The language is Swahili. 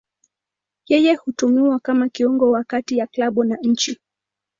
Yeye hutumiwa kama kiungo wa kati ya klabu na nchi.